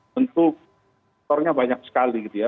tentu banyak sekali gitu ya